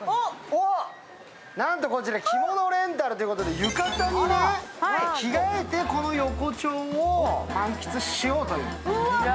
なんとこちら、着物レンタルということで、浴衣に着替えてこの横町を満喫しようという。